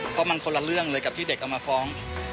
เพราะมันคนละเรื่องเลยกับที่เด็กเอามาฟ้อง